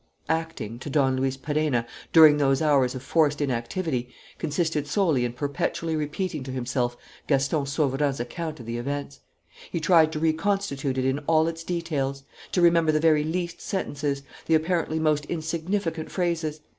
Acting, to Don Luis Perenna, during those hours of forced inactivity, consisted solely in perpetually repeating to himself Gaston Sauverand's account of the events. He tried to reconstitute it in all its details, to remember the very least sentences, the apparently most insignificant phrases.